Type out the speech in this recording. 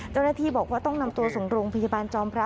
เจ้าหน้าที่บอกว่าต้องนำตัวส่งโรงพยาบาลจอมพระ